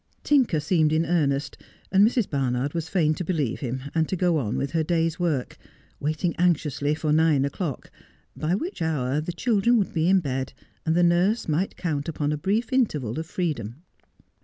Tinker seemed in earnest, and Mrs. Barnard was fain to be lieve him, and to go on with her day's work, wailing anxiously for nine o'clock, by which hour the children would be in bed, and the nurse might count upon a brief interval of freedom.